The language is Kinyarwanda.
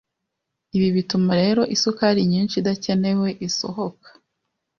Ibi bituma rero isukari nyinshi idakenewe isohoka